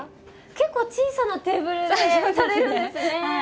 結構小さなテーブルでされるんですね。